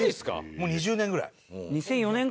もう２０年ぐらい？